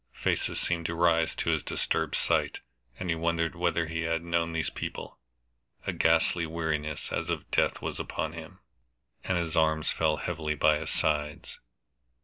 Faces seemed to rise to his disturbed sight, and he wondered whether he had ever known these people; a ghastly weariness as of death was upon him, and his arms fell heavily by his sides.